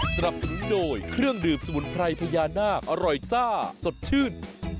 สนับสนุนโดยเครื่องดื่มสมุนไพรพญานาคอร่อยซ่าสดชื่น